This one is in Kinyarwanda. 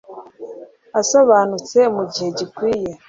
asobanutse mu gihe gikwiye.